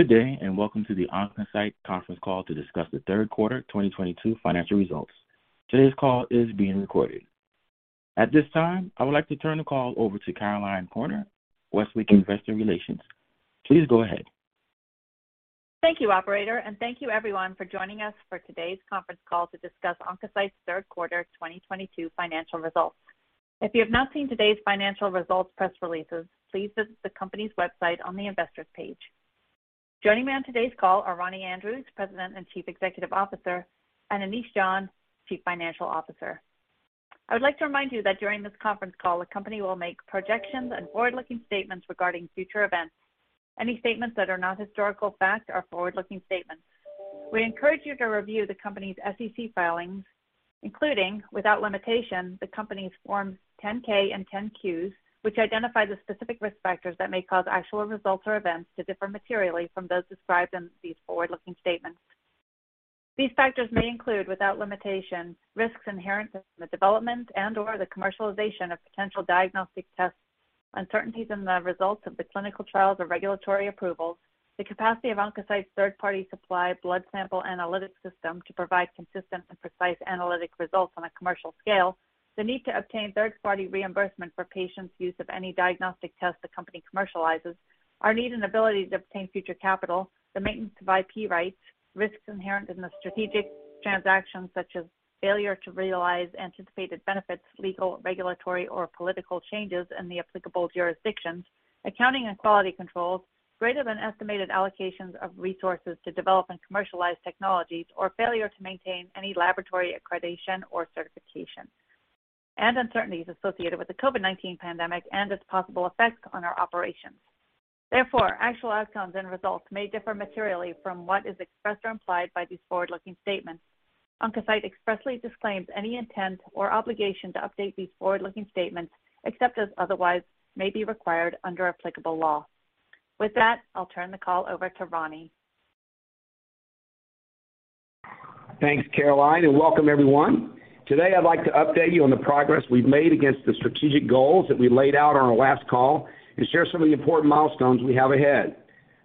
Good day, and welcome to the OncoCyte conference call to discuss the third quarter 2022 financial results. Today's call is being recorded. At this time, I would like to turn the call over to Caroline Corner, Westwicke Investor Relations. Please go ahead. Thank you, operator, and thank you everyone for joining us for today's conference call to discuss OncoCyte's third quarter 2022 financial results. If you have not seen today's financial results press releases, please visit the company's website on the investors page. Joining me on today's call are Ronnie Andrews, President and Chief Executive Officer, and Anish John, Chief Financial Officer. I would like to remind you that during this conference call, the company will make projections and forward-looking statements regarding future events. Any statements that are not historical facts are forward-looking statements. We encourage you to review the company's SEC filings, including, without limitation, the company's forms 10-K and 10-Qs, which identify the specific risk factors that may cause actual results or events to differ materially from those described in these forward-looking statements. These factors may include, without limitation, risks inherent in the development and/or the commercialization of potential diagnostic tests, uncertainties in the results of the clinical trials or regulatory approvals, the capacity of OncoCyte's third-party supply blood sample analytics system to provide consistent and precise analytic results on a commercial scale, the need to obtain third-party reimbursement for patients' use of any diagnostic test the company commercializes, our need and ability to obtain future capital, the maintenance of IP rights, risks inherent in the strategic transactions such as failure to realize anticipated benefits, legal, regulatory or political changes in the applicable jurisdictions, accounting and quality controls, greater than estimated allocations of resources to develop and commercialize technologies or failure to maintain any laboratory accreditation or certification and uncertainties associated with the COVID-19 pandemic and its possible effects on our operations. Therefore, actual outcomes and results may differ materially from what is expressed or implied by these forward-looking statements. OncoCyte expressly disclaims any intent or obligation to update these forward-looking statements except as otherwise may be required under applicable law. With that, I'll turn the call over to Ronnie. Thanks, Caroline, and welcome everyone. Today, I'd like to update you on the progress we've made against the strategic goals that we laid out on our last call and share some of the important milestones we have ahead.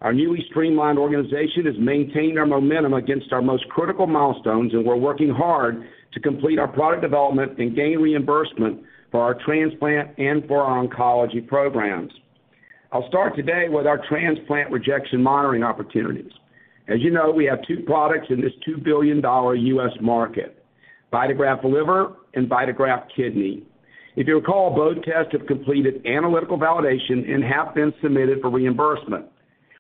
Our newly streamlined organization has maintained our momentum against our most critical milestones, and we're working hard to complete our product development and gain reimbursement for our transplant and for our oncology programs. I'll start today with our transplant rejection monitoring opportunities. As you know, we have two products in this $2 billion US market, VitaGraft Liver and VitaGraft Kidney. If you recall, both tests have completed analytical validation and have been submitted for reimbursement.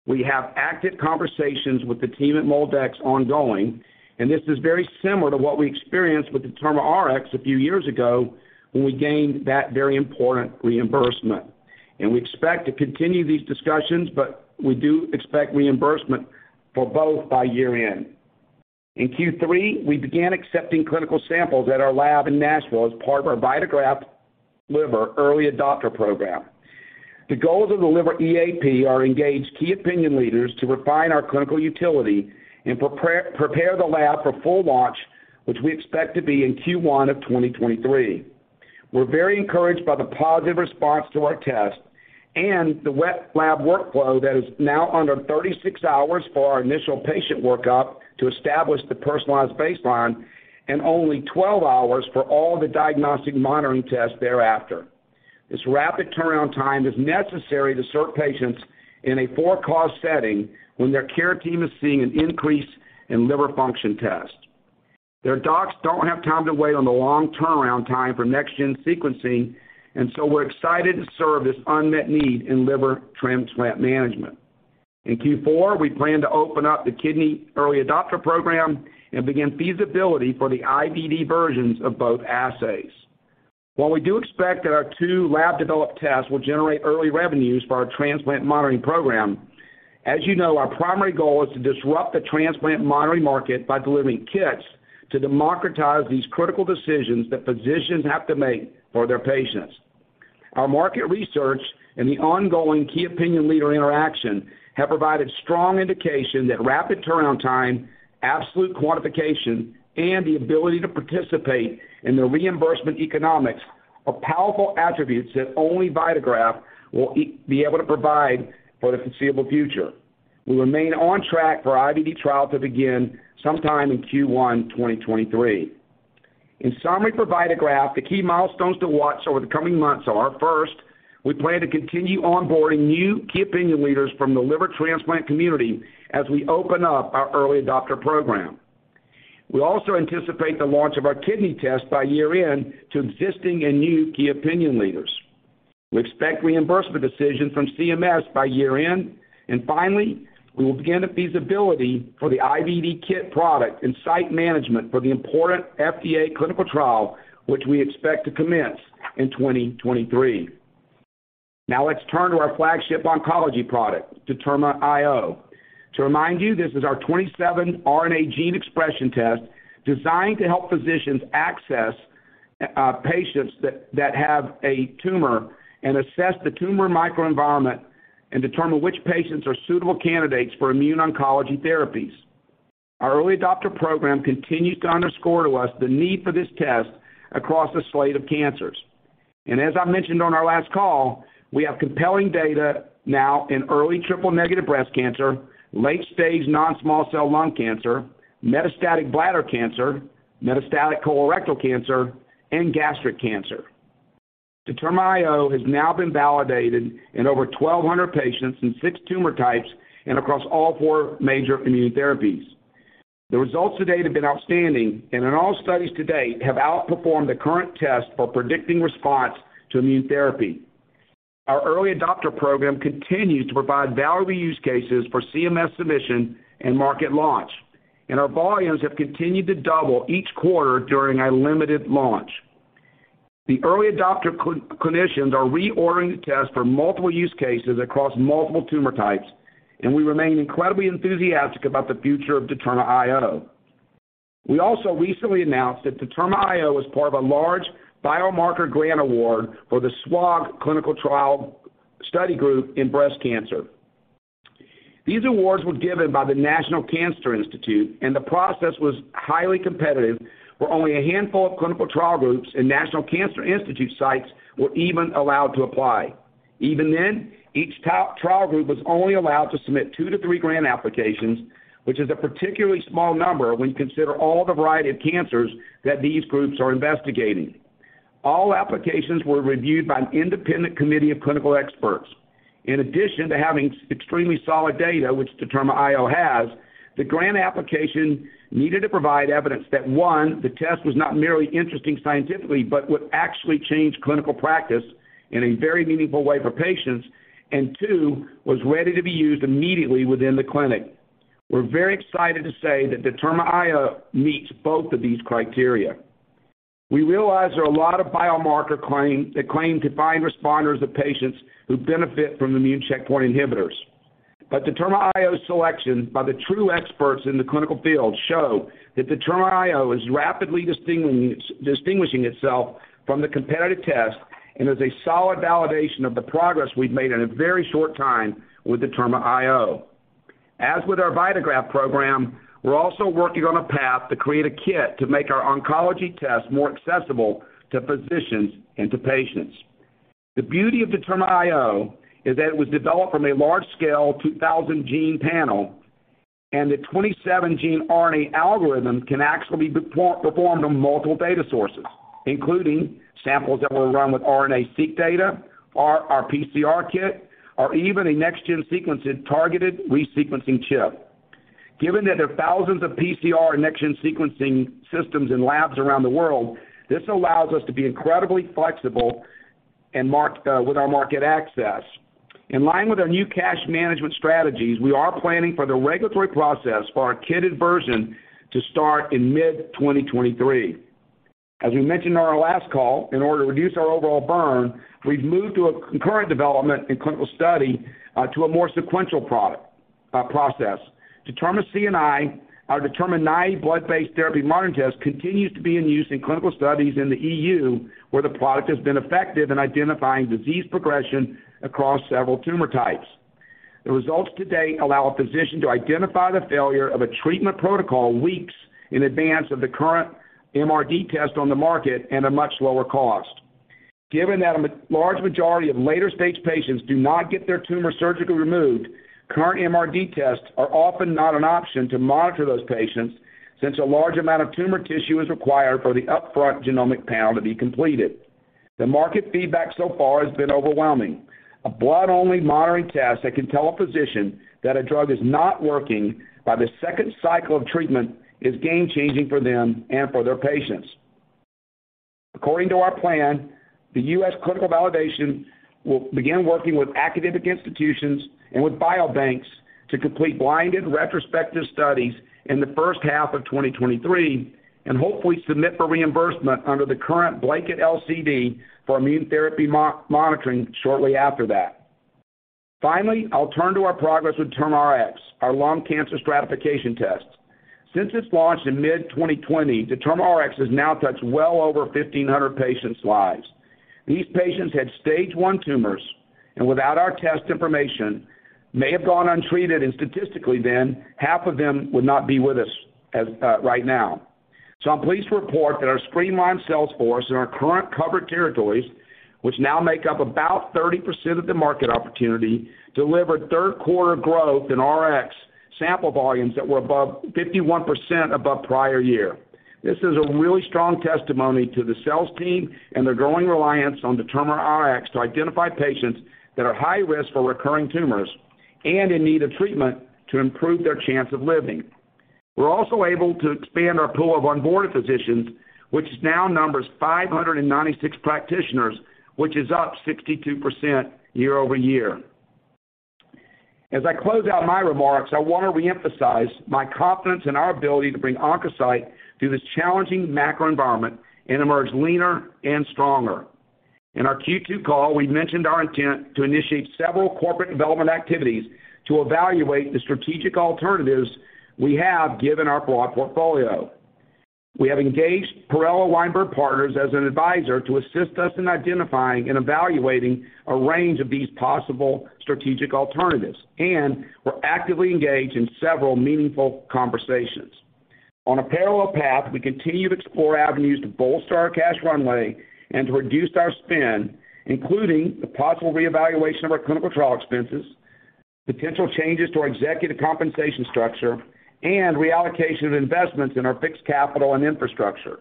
We have active conversations with the team at MolDX ongoing, and this is very similar to what we experienced with DetermaRx a few years ago when we gained that very important reimbursement. We expect to continue these discussions, but we do expect reimbursement for both by year-end. In Q3, we began accepting clinical samples at our lab in Nashville as part of our VitaGraft Liver early adopter program. The goals of the Liver EAP are to engage key opinion leaders to refine our clinical utility and prepare the lab for full launch, which we expect to be in Q1 of 2023. We're very encouraged by the positive response to our test and the wet lab workflow that is now under 36 hours for our initial patient workup to establish the personalized baseline and only 12 hours for all the diagnostic monitoring tests thereafter. This rapid turnaround time is necessary to serve patients in a for-cause setting when their care team is seeing an increase in liver function tests. Their docs don't have time to wait on the long turnaround time for next-gen sequencing, and so we're excited to serve this unmet need in liver transplant management. In Q4, we plan to open up the kidney early adopter program and begin feasibility for the IVD versions of both assays. While we do expect that our two lab-developed tests will generate early revenues for our transplant monitoring program, as you know, our primary goal is to disrupt the transplant monitoring market by delivering kits to democratize these critical decisions that physicians have to make for their patients. Our market research and the ongoing key opinion leader interaction have provided strong indication that rapid turnaround time, absolute quantification, and the ability to participate in the reimbursement economics are powerful attributes that only VitaGraft will be able to provide for the foreseeable future. We remain on track for IVD trial to begin sometime in Q1 2023. In summary, for VitaGraft, the key milestones to watch over the coming months are, first, we plan to continue onboarding new key opinion leaders from the liver transplant community as we open up our early adopter program. We also anticipate the launch of our kidney test by year-end to existing and new key opinion leaders. We expect reimbursement decisions from CMS by year-end. And finally, we will begin the feasibility for the IVD kit product and site management for the important FDA clinical trial, which we expect to commence in 2023. Now let's turn to our flagship oncology product, DetermaIO. To remind you, this is our 27 RNA gene expression test designed to help physicians access patients that have a tumor and assess the tumor microenvironment and determine which patients are suitable candidates for immuno-oncology therapies. Our early adopter program continues to underscore to us the need for this test across a slate of cancers. As I mentioned on our last call, we have compelling data now in early triple-negative breast cancer, late-stage non-small cell lung cancer, metastatic bladder cancer, metastatic colorectal cancer, and gastric cancer. DetermaIO has now been validated in over 1,200 patients in six tumor types and across all four major immunotherapies. The results to date have been outstanding, and in all studies to date have outperformed the current test for predicting response to immunotherapy. Our early adopter program continues to provide valuable use cases for CMS submission and market launch, and our volumes have continued to double each quarter during our limited launch. The early adopter clinicians are reordering the test for multiple use cases across multiple tumor types, and we remain incredibly enthusiastic about the future of DetermaIO. We also recently announced that DetermaIO is part of a large biomarker grant award for the SWOG clinical trial study group in breast cancer. These awards were given by the National Cancer Institute, and the process was highly competitive, where only a handful of clinical trial groups and National Cancer Institute sites were even allowed to apply. Even then, each trial group was only allowed to submit two to three grant applications, which is a particularly small number when you consider all the variety of cancers that these groups are investigating. All applications were reviewed by an independent committee of clinical experts. In addition to having extremely solid data, which DetermaIO has, the grant application needed to provide evidence that, one, the test was not merely interesting scientifically, but would actually change clinical practice in a very meaningful way for patients, and two, was ready to be used immediately within the clinic. We're very excited to say that DetermaIO meets both of these criteria. We realize there are a lot of biomarker claims that claim to find responders for patients who benefit from immune checkpoint inhibitors. DetermaIO's selection by the true experts in the clinical field show that DetermaIO is rapidly distinguishing itself from the competitive test and is a solid validation of the progress we've made in a very short time with DetermaIO. As with our VitaGraft program, we're also working on a path to create a kit to make our oncology test more accessible to physicians and to patients. The beauty of DetermaIO is that it was developed from a large-scale 2000-gene panel, and the 27-gene RNA algorithm can actually be performed on multiple data sources, including samples that were run with RNA-Seq data, or our PCR kit, or even a next-gen sequencing targeted resequencing chip. Given that there are thousands of PCR and next-gen sequencing systems in labs around the world, this allows us to be incredibly flexible and marketable with our market access. In line with our new cash management strategies, we are planning for the regulatory process for our kitted version to start in mid-2023. As we mentioned on our last call, in order to reduce our overall burn, we've moved to a concurrent development in clinical study to a more sequential product process. DetermaCNI, our blood-based therapy monitoring test, continues to be in use in clinical studies in the EU, where the product has been effective in identifying disease progression across several tumor types. The results to date allow a physician to identify the failure of a treatment protocol weeks in advance of the current MRD test on the market at a much lower cost. Given that a large majority of later-stage patients do not get their tumor surgically removed, current MRD tests are often not an option to monitor those patients since a large amount of tumor tissue is required for the upfront genomic panel to be completed. The market feedback so far has been overwhelming. A blood-only monitoring test that can tell a physician that a drug is not working by the second cycle of treatment is game-changing for them and for their patients. According to our plan, the U.S. clinical validation will begin working with academic institutions and with biobanks to complete blinded retrospective studies in the first half of 2023, and hopefully submit for reimbursement under the current blanket LCD for immunotherapy monitoring shortly after that. Finally, I'll turn to our progress with DetermaRx, our lung cancer stratification test. Since its launch in mid-2020, DetermaRx has now touched well over 1,500 patients' lives. These patients had Stage 1 tumors, and without our test information, may have gone untreated, and statistically then, half of them would not be with us as of right now. I'm pleased to report that our streamlined sales force in our current covered territories, which now make up about 30% of the market opportunity, delivered third quarter growth in Rx sample volumes that were above 51% above prior year. This is a really strong testimony to the sales team and their growing reliance on DetermaRx to identify patients that are high risk for recurring tumors and in need of treatment to improve their chance of living. We're also able to expand our pool of onboarded physicians, which now numbers 596 practitioners, which is up 62% year-over-year. As I close out my remarks, I want to reemphasize my confidence in our ability to bring OncoCyte through this challenging macro environment and emerge leaner and stronger. In our Q2 call, we mentioned our intent to initiate several corporate development activities to evaluate the strategic alternatives we have given our broad portfolio. We have engaged Perella Weinberg Partners as an advisor to assist us in identifying and evaluating a range of these possible strategic alternatives, and we're actively engaged in several meaningful conversations. On a parallel path, we continue to explore avenues to bolster our cash runway and to reduce our spend, including the possible reevaluation of our clinical trial expenses, potential changes to our executive compensation structure, and reallocation of investments in our fixed capital and infrastructure.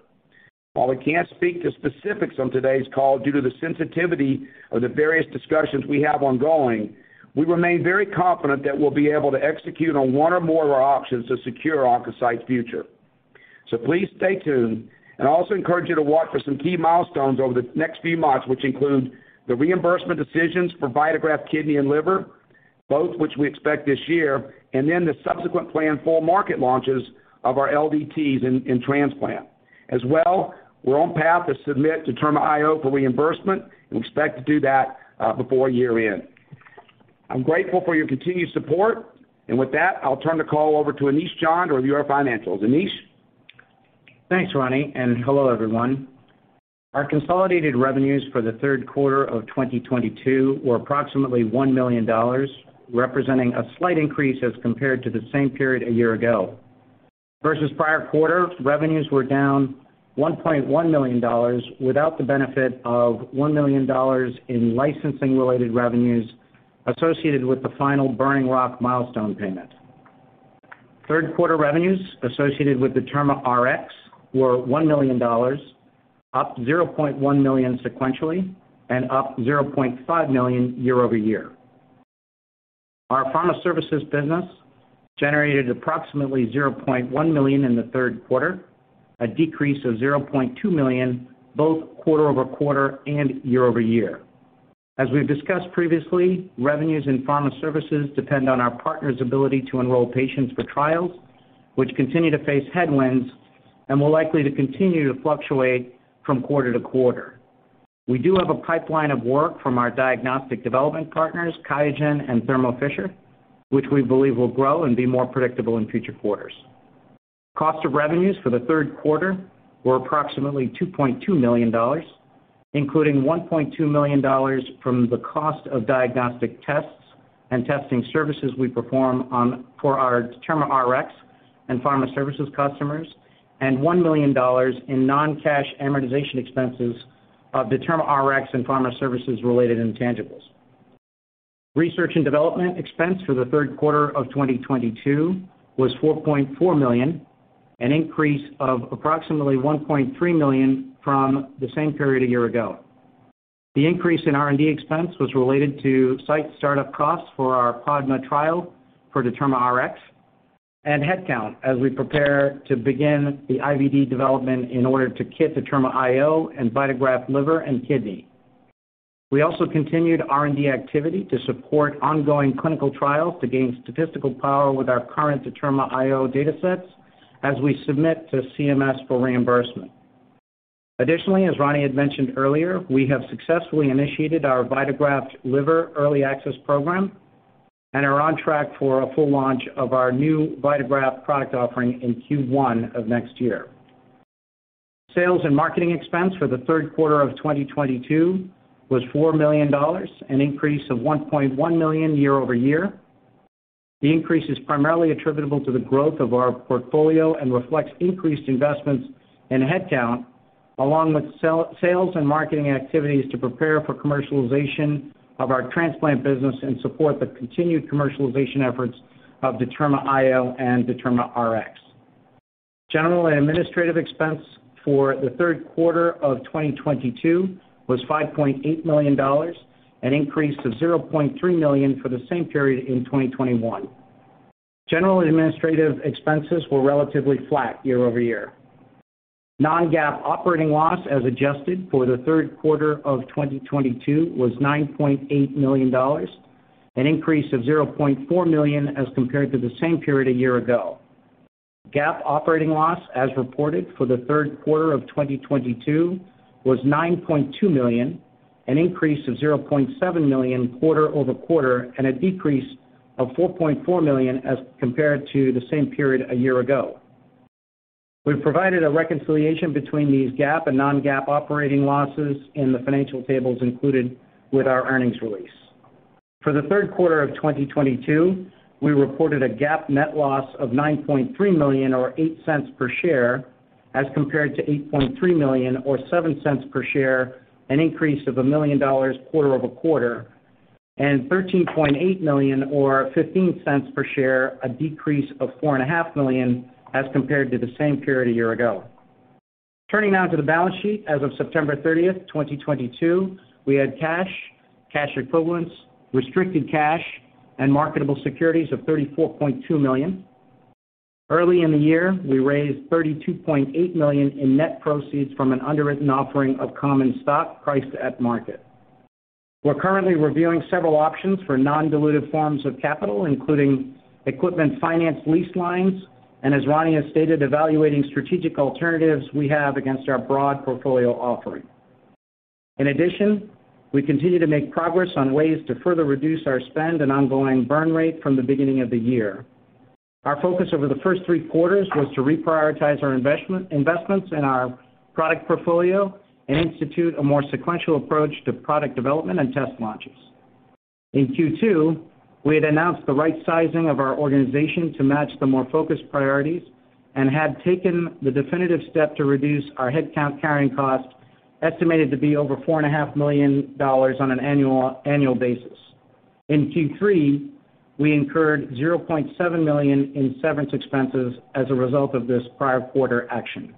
While we can't speak to specifics on today's call due to the sensitivity of the various discussions we have ongoing, we remain very confident that we'll be able to execute on one or more of our options to secure OncoCyte's future. Please stay tuned, and I also encourage you to watch for some key milestones over the next few months, which include the reimbursement decisions for VitaGraft Kidney and Liver, both of which we expect this year, and then the subsequent planned full market launches of our LDTs in transplant. As well, we're on track to submit DetermaIO for reimbursement, and we expect to do that before year-end. I'm grateful for your continued support. With that, I'll turn the call over to Anish John to review our financials. Anish? Thanks, Ronnie, and hello, everyone. Our consolidated revenues for the third quarter of 2022 were approximately $1 million, representing a slight increase as compared to the same period a year ago. Versus prior quarter, revenues were down $1.1 million without the benefit of $1 million in licensing-related revenues associated with the final Burning Rock milestone payment. Third quarter revenues associated with DetermaRx were $1 million, up $0.1 million sequentially and up $0.5 million year-over-year. Our pharma services business generated approximately $0.1 million in the third quarter, a decrease of $0.2 million both quarter-over-quarter and year-over-year. As we've discussed previously, revenues in pharma services depend on our partners' ability to enroll patients for trials, which continue to face headwinds and will likely to continue to fluctuate from quarter to quarter. We do have a pipeline of work from our diagnostic development partners, QIAGEN and Thermo Fisher, which we believe will grow and be more predictable in future quarters. Cost of revenues for the third quarter were approximately $2.2 million, including $1.2 million from the cost of diagnostic tests and testing services we perform for our DetermaRx and pharma services customers and $1 million in non-cash amortization expenses of DetermaRx and pharma services-related intangibles. Research and development expense for the third quarter of 2022 was $4.4 million, an increase of approximately $1.3 million from the same period a year ago. The increase in R&D expense was related to site start-up costs for our PADMA trial for DetermaRx and headcount as we prepare to begin the IVD development in order to kit DetermaIO and VitaGraft Liver and Kidney. We also continued R&D activity to support ongoing clinical trials to gain statistical power with our current DetermaIO datasets as we submit to CMS for reimbursement. Additionally, as Ronnie had mentioned earlier, we have successfully initiated our VitaGraft Liver Early Access Program and are on track for a full launch of our new VitaGraft product offering in Q1 of next year. Sales and marketing expense for the third quarter of 2022 was $4 million, an increase of $1.1 million year-over-year. The increase is primarily attributable to the growth of our portfolio and reflects increased investments in headcount, along with sales and marketing activities to prepare for commercialization of our transplant business and support the continued commercialization efforts of DetermaIO and DetermaRx. General and administrative expense for the third quarter of 2022 was $5.8 million, an increase of $0.3 million for the same period in 2021. General and administrative expenses were relatively flat year-over-year. non-GAAP operating loss as adjusted for the third quarter of 2022 was $9.8 million, an increase of $0.4 million as compared to the same period a year ago. GAAP operating loss as reported for the third quarter of 2022 was $9.2 million, an increase of $0.7 million quarter-over-quarter and a decrease of $4.4 million as compared to the same period a year ago. We've provided a reconciliation between these GAAP and non-GAAP operating losses in the financial tables included with our earnings release. For the third quarter of 2022, we reported a GAAP net loss of $9.3 million or $0.08 per share as compared to $8.3 million or $0.07 per share, an increase of $1 million quarter-over-quarter, and $13.8 million or $0.15 per share, a decrease of $4.5 million as compared to the same period a year ago. Turning now to the balance sheet, as of September 30, 2022, we had cash equivalents, restricted cash, and marketable securities of $34.2 million. Early in the year, we raised $32.8 million in net proceeds from an underwritten offering of common stock priced at market. We're currently reviewing several options for non-dilutive forms of capital, including equipment finance lease lines, and as Ronnie has stated, evaluating strategic alternatives we have against our broad portfolio offering. In addition, we continue to make progress on ways to further reduce our spend and ongoing burn rate from the beginning of the year. Our focus over the first three quarters was to reprioritize our investments in our product portfolio and institute a more sequential approach to product development and test launches. In Q2, we had announced the right sizing of our organization to match the more focused priorities and had taken the definitive step to reduce our headcount carrying cost, estimated to be over $4.5 million on an annual basis. In Q3, we incurred $0.7 million in severance expenses as a result of this prior quarter action.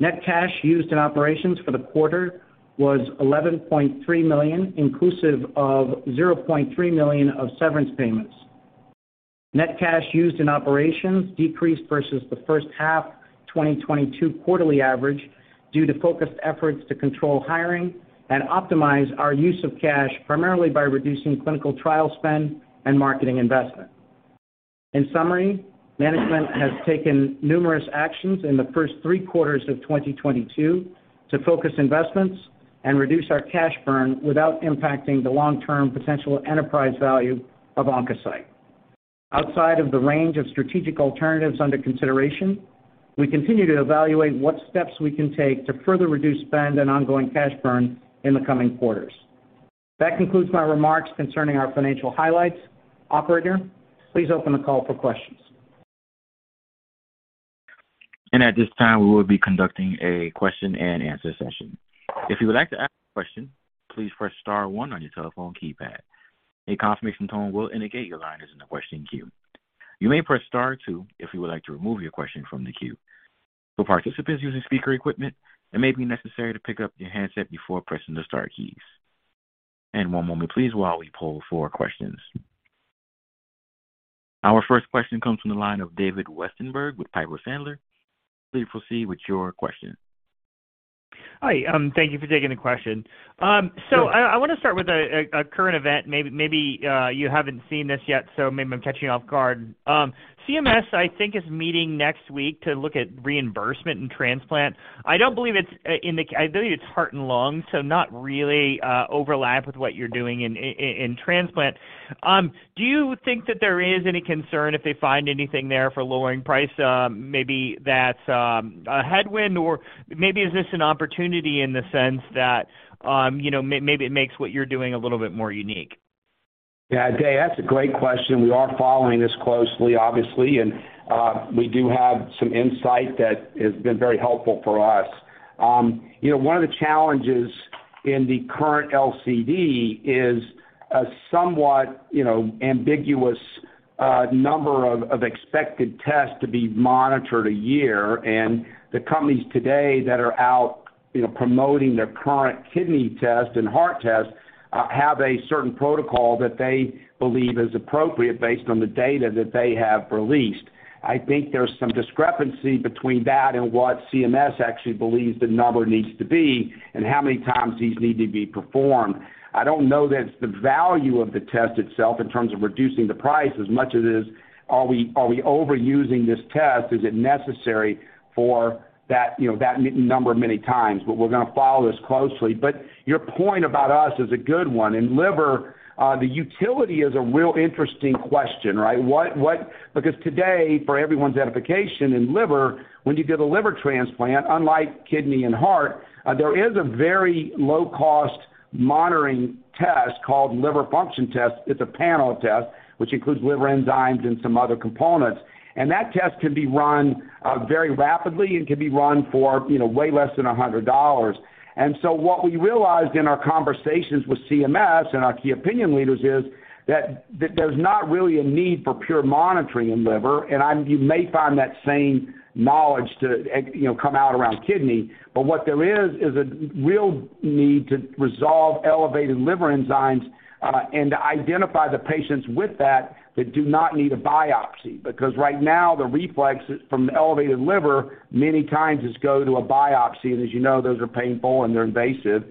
Net cash used in operations for the quarter was $11.3 million, inclusive of $0.3 million of severance payments. Net cash used in operations decreased versus the first half 2022 quarterly average due to focused efforts to control hiring and optimize our use of cash, primarily by reducing clinical trial spend and marketing investment. In summary, management has taken numerous actions in the first three quarters of 2022 to focus investments and reduce our cash burn without impacting the long-term potential enterprise value of OncoCyte. Outside of the range of strategic alternatives under consideration, we continue to evaluate what steps we can take to further reduce spend and ongoing cash burn in the coming quarters. That concludes my remarks concerning our financial highlights. Operator, please open the call for questions. At this time, we will be conducting a question and answer session. If you would like to ask a question, please press star one on your telephone keypad. A confirmation tone will indicate your line is in the question queue. You may press star two if you would like to remove your question from the queue. For participants using speaker equipment, it may be necessary to pick up your handset before pressing the star keys. One moment please while we poll for questions. Our first question comes from the line of David Westenberg with Piper Sandler. Please proceed with your question. Hi, thank you for taking the question. So I want to start with a current event. Maybe you haven't seen this yet, so maybe I'm catching you off guard. CMS, I think, is meeting next week to look at reimbursement and transplant. I don't believe it's heart and lungs, so not really overlap with what you're doing in transplant. Do you think that there is any concern if they find anything there for lowering price, maybe that's a headwind? Or maybe is this an opportunity in the sense that, you know, maybe it makes what you're doing a little bit more unique? Yeah, David, that's a great question. We are following this closely, obviously, and we do have some insight that has been very helpful for us. You know, one of the challenges in the current LCD is a somewhat you know ambiguous number of expected tests to be monitored a year. The companies today that are out, you know, promoting their current kidney test and heart test have a certain protocol that they believe is appropriate based on the data that they have released. I think there's some discrepancy between that and what CMS actually believes the number needs to be and how many times these need to be performed. I don't know that it's the value of the test itself in terms of reducing the price as much as it is, are we overusing this test? Is it necessary for that, you know, that many times? We're gonna follow this closely. Your point about us is a good one. In liver, the utility is a real interesting question, right? Because today, for everyone's edification, in liver, when you get a liver transplant, unlike kidney and heart, there is a very low-cost monitoring test called liver function test. It's a panel test which includes liver enzymes and some other components. That test can be run very rapidly and can be run for, you know, way less than $100. What we realized in our conversations with CMS and our key opinion leaders is that there's not really a need for pure monitoring in liver. You may find that same knowledge too, e.g., you know, come out around kidney. What there is a real need to resolve elevated liver enzymes, and to identify the patients with that that do not need a biopsy. Because right now the reflex from elevated liver many times is go to a biopsy. As you know, those are painful and they're invasive.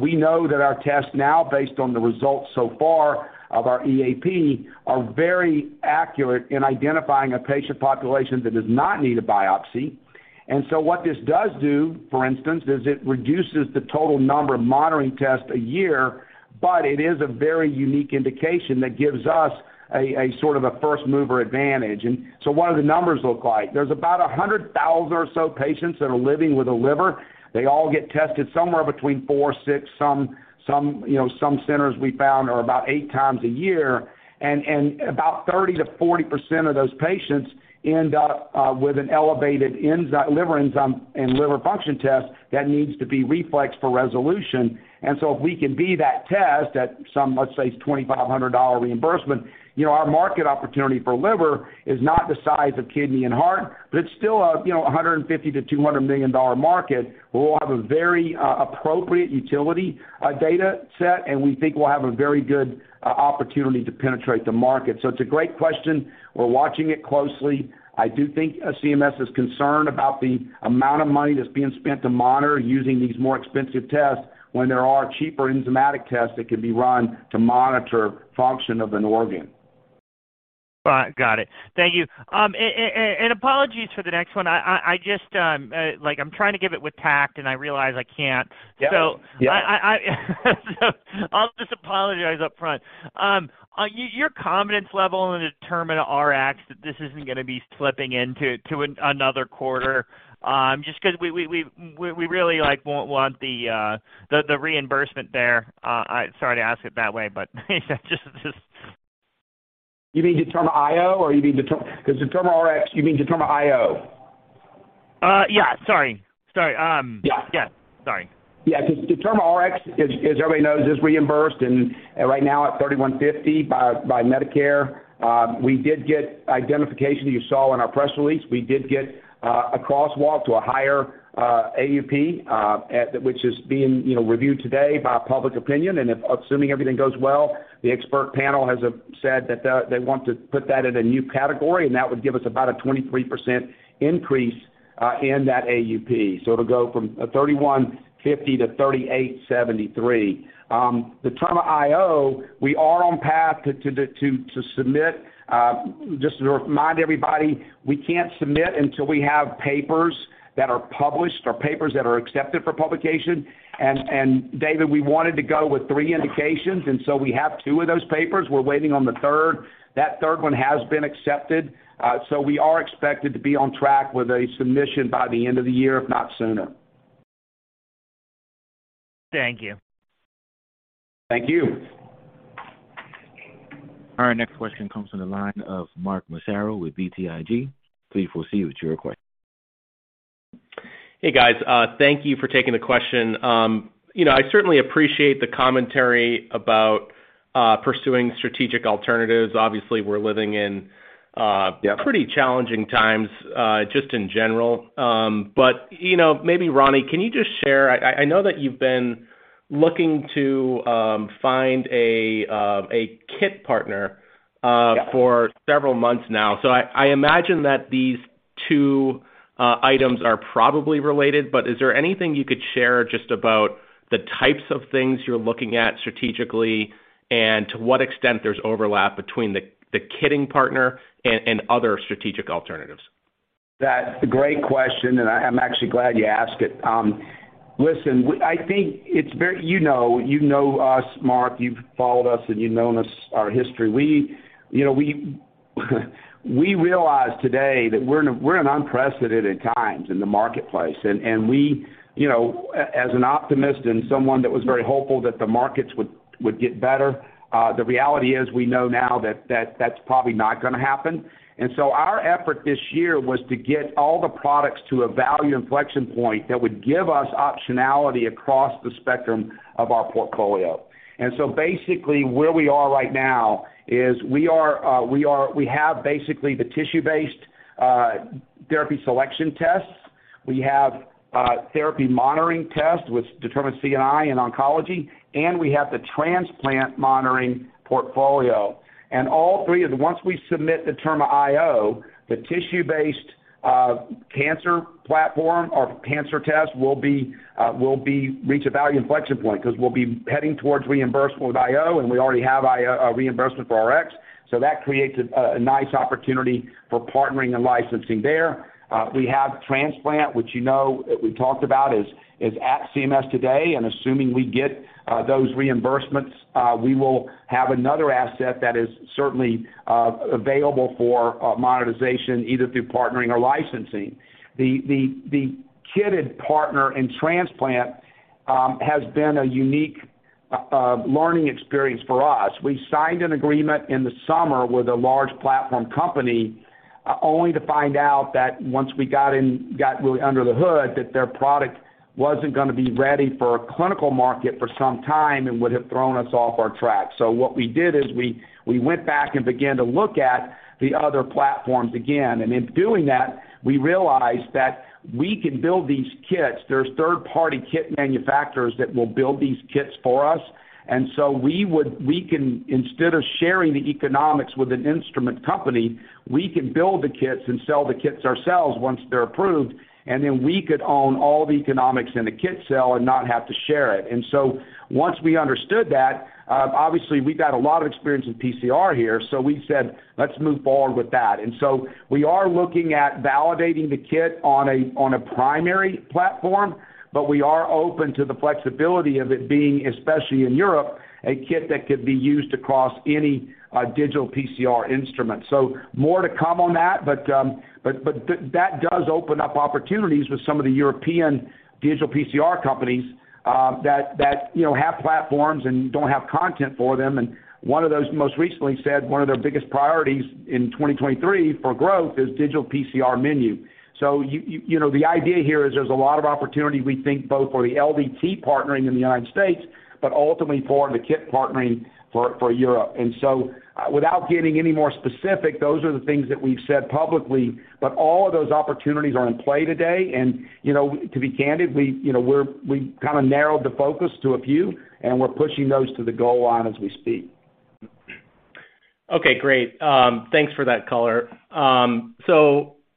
We know that our tests now, based on the results so far of our EAP, are very accurate in identifying a patient population that does not need a biopsy. What this does do, for instance, is it reduces the total number of monitoring tests a year, but it is a very unique indication that gives us a sort of first-mover advantage. What do the numbers look like? There's about 100,000 or so patients that are living with a liver. They all get tested somewhere between four to six. Some you know some centers we found are about 8x a year. About 30%-40% of those patients end up with an elevated enzyme, liver enzyme and liver function test that needs to be reflexed for resolution. If we can be that test at some, let's say, $2,500 reimbursement, you know, our market opportunity for liver is not the size of kidney and heart, but it's still a you know a $150 million-$200 million market, where we'll have a very appropriate utility data set, and we think we'll have a very good opportunity to penetrate the market. It's a great question. We're watching it closely. I do think CMS is concerned about the amount of money that's being spent to monitor using these more expensive tests when there are cheaper enzymatic tests that can be run to monitor function of an organ. Got it. Thank you. Apologies for the next one. I just like I'm trying to give it with tact, and I realize I can't. Yeah. So- Yeah. I'll just apologize upfront. Your confidence level in DetermaRx that this isn't gonna be slipping into another quarter, just 'cause we really like want the reimbursement there. Sorry to ask it that way, but just. You mean DetermaIO or you mean 'cause DetermaRx, you mean DetermaIO? Yeah, sorry. Yeah. Yeah, sorry. Yeah. 'Cause DetermaRx is, as everybody knows, reimbursed and right now at $3,150 by Medicare. We did get ID you saw in our press release, a crosswalk to a higher AUP, which is being, you know, reviewed today by the panel. If assuming everything goes well, the expert panel has said that they want to put that in a new category, and that would give us about a 23% increase in that AUP. It'll go from $3,150-$3,873. DetermaIO, we are on track to submit. Just to remind everybody, we can't submit until we have papers that are published or papers that are accepted for publication. David, we wanted to go with three indications, and so we have two of those papers. We're waiting on the third. That third one has been accepted. We are expected to be on track with a submission by the end of the year, if not sooner. Thank you. Thank you. Our next question comes from the line of Mark Massaro with BTIG. Please proceed with your question. Hey, guys. Thank you for taking the question. You know, I certainly appreciate the commentary about pursuing strategic alternatives. Yeah. Pretty challenging times, just in general. You know, maybe Ronnie, can you just share. I know that you've been looking to find a kit partner. Yeah. For several months now. I imagine that these two items are probably related, but is there anything you could share just about the types of things you're looking at strategically and to what extent there's overlap between the kitting partner and other strategic alternatives? That's a great question, and I’m actually glad you asked it. Listen, I think. You know us, Mark. You've followed us and you've known us, our history. You know, we realize today that we're in unprecedented times in the marketplace. We, you know, as an optimist and someone that was very hopeful that the markets would get better, the reality is we know now that that's probably not gonna happen. Our effort this year was to get all the products to a value inflection point that would give us optionality across the spectrum of our portfolio. Basically, where we are right now is we have basically the tissue-based therapy selection tests. We have therapy monitoring tests, which determines CNI in oncology, and we have the transplant monitoring portfolio. Once we submit DetermaIO, the tissue-based cancer platform or cancer test will reach a value inflection point 'cause we'll be heading towards reimbursement with IO, and we already have reimbursement for RX. That creates a nice opportunity for partnering and licensing there. We have transplant, which we talked about is at CMS today. Assuming we get those reimbursements, we will have another asset that is certainly available for monetization either through partnering or licensing. The kitted partner in transplant has been a unique learning experience for us. We signed an agreement in the summer with a large platform company, only to find out that once we got really under the hood, that their product wasn't gonna be ready for a clinical market for some time and would have thrown us off our track. What we did is we went back and began to look at the other platforms again. In doing that, we realized that we can build these kits. There's third-party kit manufacturers that will build these kits for us. We can, instead of sharing the economics with an instrument company, build the kits and sell the kits ourselves once they're approved, and then we could own all the economics in the kit sale and not have to share it. Once we understood that, obviously, we've got a lot of experience with PCR here, so we said, "Let's move forward with that." We are looking at validating the kit on a primary platform, but we are open to the flexibility of it being, especially in Europe, a kit that could be used across any digital PCR instrument. More to come on that, but that does open up opportunities with some of the European digital PCR companies, that you know, have platforms and don't have content for them. One of those most recently said one of their biggest priorities in 2023 for growth is digital PCR menu. You know, the idea here is there's a lot of opportunity, we think both for the LDT partnering in the United States, but ultimately for the kit partnering for Europe. Without getting any more specific, those are the things that we've said publicly. But all of those opportunities are in play today. You know, to be candid, we've kinda narrowed the focus to a few, and we're pushing those to the goal line as we speak. Okay, great. Thanks for that color.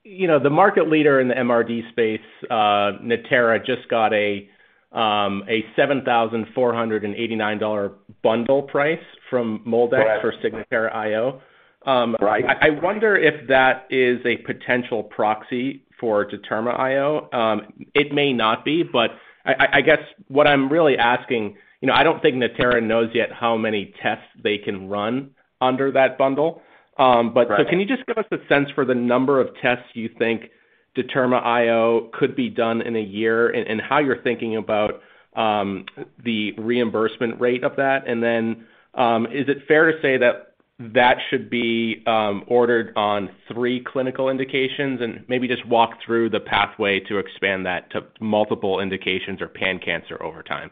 You know, the market leader in the MRD space, Natera, just got a $7,489 bundle price from MolDX. Correct For Signatera IO. Right I wonder if that is a potential proxy for DetermaIO. It may not be, but I guess what I'm really asking, you know, I don't think Natera knows yet how many tests they can run under that bundle. But Right Can you just give us a sense for the number of tests you think DetermaIO could be done in a year and how you're thinking about the reimbursement rate of that? Is it fair to say that that should be ordered on three clinical indications? Maybe just walk through the pathway to expand that to multiple indications or pan-cancer over time.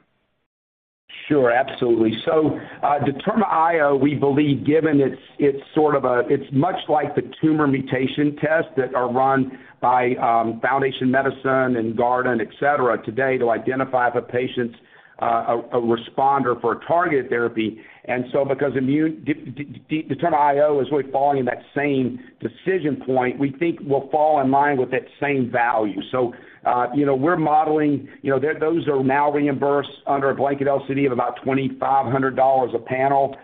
Sure, absolutely. DetermaIO, we believe given it's much like the tumor mutation tests that are run by Foundation Medicine and Guardant, etc., today to identify if a patient's a responder for a targeted therapy. Because DetermaIO is really falling in that same decision point, we think will fall in line with that same value. We're modeling. Those are now reimbursed under a blanket LCD of about $2,500 a panel.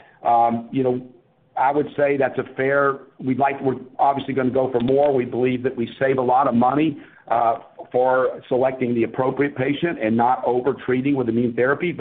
I would say that's fair. We're obviously gonna go for more. We believe that we save a lot of money for selecting the appropriate patient and not over-treating with immune therapy.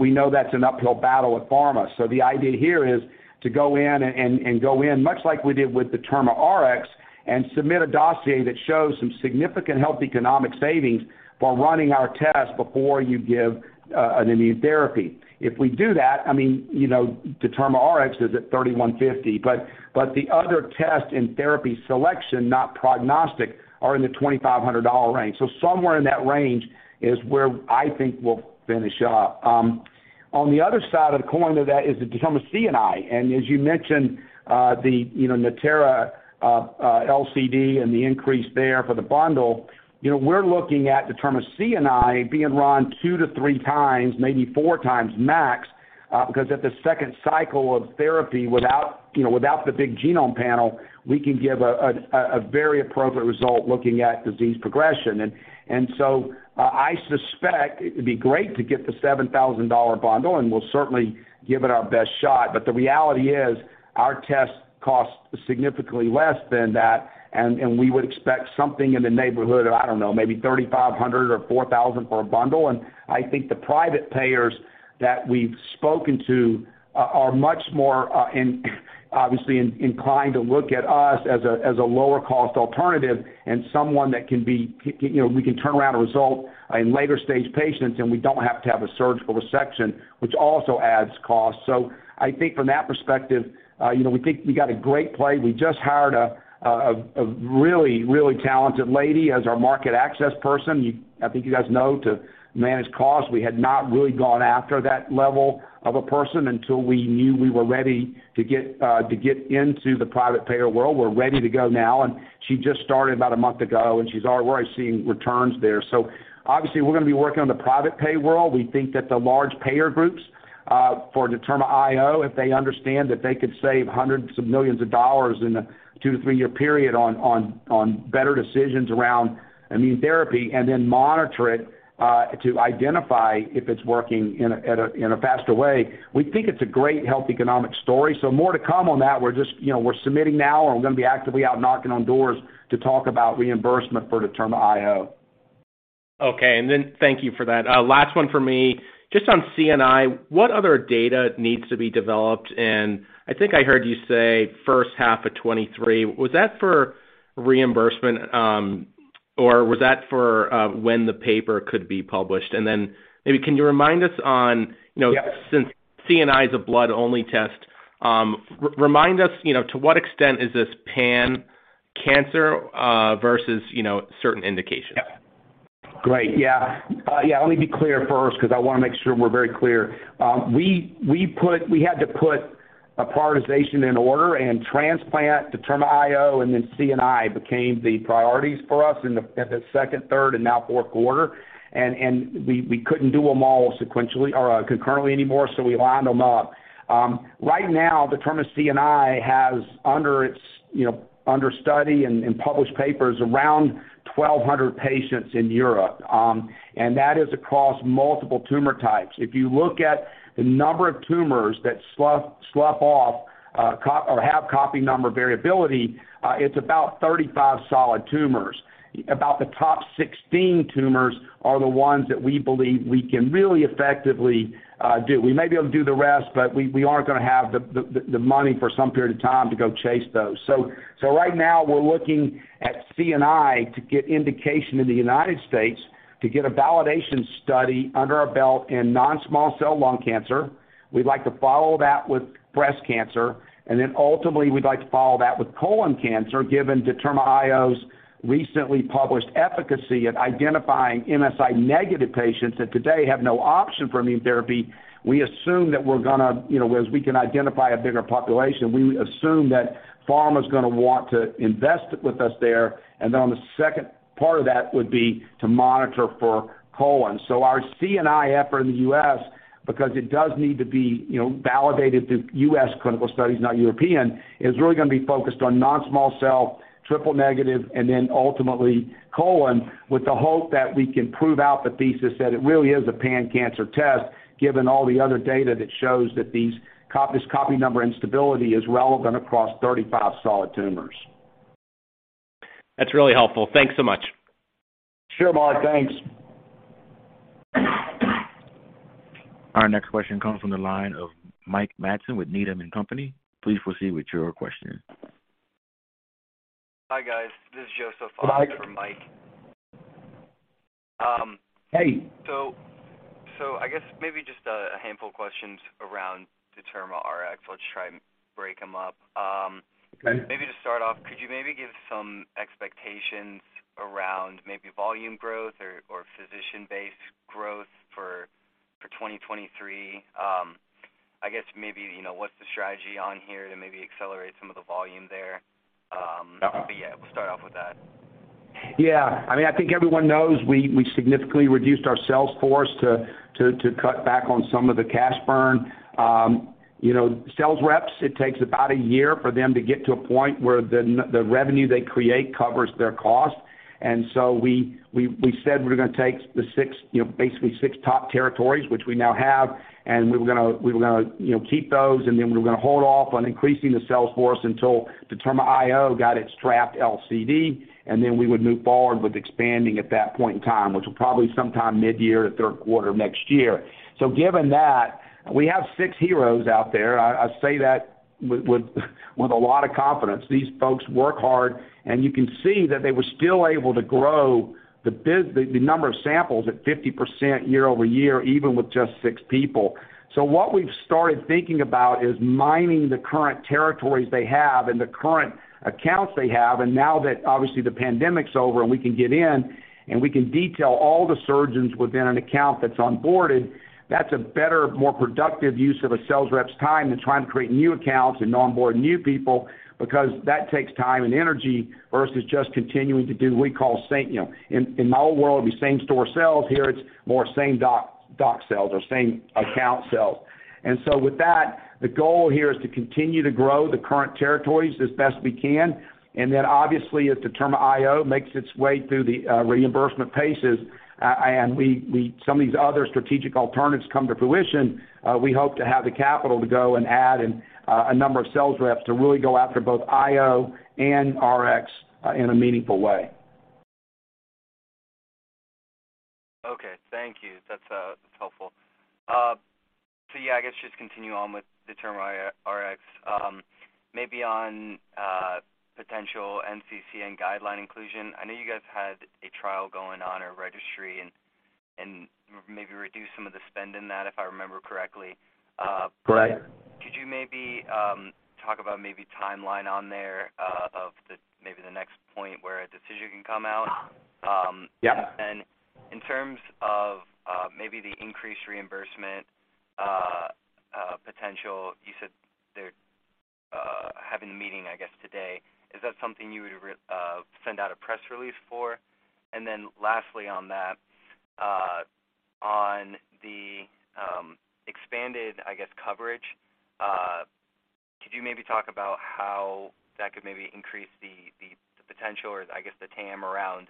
We know that's an uphill battle with pharma. The idea here is to go in much like we did with DetermaRx and submit a dossier that shows some significant health economic savings while running our tests before you give an immune therapy. If we do that, I mean, you know, DetermaRx is at $3,150, but the other tests in therapy selection, not prognostic, are in the $2,500 range. Somewhere in that range is where I think we'll finish up. On the other side of the coin to that is the DetermaCNI. As you mentioned, you know, Natera LCD and the increase there for the bundle, you know, we're looking at DetermaCNI being run two to three times, maybe four times max, because at the second cycle of therapy without, you know, without the big genomic panel, we can give a very appropriate result looking at disease progression. I suspect it'd be great to get the $7,000 bundle, and we'll certainly give it our best shot. The reality is, our tests cost significantly less than that, and we would expect something in the neighborhood of, I don't know, maybe $3,500 or $4,000 for a bundle. I think the private payers that we've spoken to are much more, and obviously inclined to look at us as a lower cost alternative and someone that can be, you know, we can turn around a result in later stage patients, and we don't have to have a surgical resection, which also adds cost. I think from that perspective, you know, we think we got a great play. We just hired a really talented lady as our market access person, I think you guys know, to manage costs. We had not really gone after that level of a person until we knew we were ready to get into the private payer world. We're ready to go now, and she just started about a month ago, and we're already seeing returns there. Obviously, we're gonna be working on the private pay world. We think that the large payer groups for DetermaIO, if they understand that they could save hundreds of millions of dollars in a two to three-years period on better decisions around immune therapy and then monitor it to identify if it's working in a faster way, we think it's a great health economic story. More to come on that. We're just, you know, we're submitting now and we're gonna be actively out knocking on doors to talk about reimbursement for DetermaIO. Okay. Thank you for that. Last one for me. Just on C&I, what other data needs to be developed? I think I heard you say first half of 2023. Was that for reimbursement, or was that for when the paper could be published? Maybe can you remind us on, you know. Yes Since CNI is a blood-only test, remind us, you know, to what extent is this pan-cancer versus, you know, certain indications? Yeah. Great. Yeah, let me be clear first because I wanna make sure we're very clear. We had to put a prioritization in order and transplant DetermaIO, and then DetermaCNI became the priorities for us in the second, third, and now fourth quarter. We couldn't do them all sequentially or concurrently anymore, so we lined them up. Right now, DetermaCNI has under its, you know, under study and published papers around 1,200 patients in Europe, and that is across multiple tumor types. If you look at the number of tumors that slough off or have copy number variability, it's about 35 solid tumors. About the top 16 tumors are the ones that we believe we can really effectively do. We may be able to do the rest, but we aren't gonna have the money for some period of time to go chase those. Right now, we're looking at CNI to get indication in the United States to get a validation study under our belt in non-small cell lung cancer. We'd like to follow that with breast cancer, and then ultimately, we'd like to follow that with colon cancer, given DetermaIO's recently published efficacy at identifying MSI negative patients that today have no option for immune therapy. We assume that we're gonna, you know, as we can identify a bigger population, we assume that pharma's gonna want to invest with us there. On the second part of that would be to monitor for colon. Our C&I effort in the U.S., Because it does need to be, you know, validated through U.S., clinical studies, not European, is really gonna be focused on non-small cell, triple-negative, and then ultimately colon, with the hope that we can prove out the thesis that it really is a pan-cancer test, given all the other data that shows that this copy number instability is relevant across 35 solid tumors. That's really helpful. Thanks so much. Sure, Mark. Thanks. Our next question comes from the line of Mike Matson with Needham & Company. Please proceed with your question. Hi, guys. This is Joseph. Hi For Mike. Hey. I guess maybe just a handful of questions around DetermaRx. Let's try and break them up. Okay. Maybe to start off, could you maybe give some expectations around maybe volume growth or physician-based growth for 2023? I guess maybe, you know, what's the strategy on here to maybe accelerate some of the volume there? Yeah, we'll start off with that. Yeah. I mean, I think everyone knows we significantly reduced our sales force to cut back on some of the cash burn. You know, sales reps, it takes about a year for them to get to a point where the revenue they create covers their cost. We said we're gonna take the six, you know, basically six top territories, which we now have, and we were gonna keep those, and then we were gonna hold off on increasing the sales force until DetermaIO got its draft LCD, and then we would move forward with expanding at that point in time, which was probably sometime mid-year to third quarter next year. Given that, we have six heroes out there. I say that with a lot of confidence. These folks work hard, and you can see that they were still able to grow the biz, the number of samples at 50% year-over-year, even with just six people. What we've started thinking about is mining the current territories they have and the current accounts they have, and now that obviously the pandemic's over and we can get in and we can detail all the surgeons within an account that's onboarded, that's a better, more productive use of a sales rep's time than trying to create new accounts and onboard new people because that takes time and energy versus just continuing to do what we call same. In my old world, it would be same store sales. Here, it's more same doc sales or same account sales. With that, the goal here is to continue to grow the current territories as best we can, and then obviously, as DetermaIO makes its way through the reimbursement paces, and some of these other strategic alternatives come to fruition, we hope to have the capital to go and add in a number of sales reps to really go after both IO and Rx in a meaningful way. Okay. Thank you. That's helpful. Yeah, I guess just continue on with DetermaRx. Maybe on potential NCCN guideline inclusion. I know you guys had a trial going on or registry and maybe reduced some of the spend in that, if I remember correctly. Correct. Could you maybe talk about the timeline on there of the next point where a decision can come out? Yeah. In terms of maybe the increased reimbursement potential, you said they're having a meeting, I guess, today, is that something you would send out a press release for? Lastly on that, on the expanded, I guess, coverage, could you maybe talk about how that could maybe increase the potential or, I guess, the TAM around